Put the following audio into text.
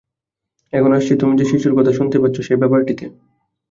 এখন আসছি তুমি যে শিশুর কথা শুনতে পাচ্ছ সে-ব্যাপারটিতে।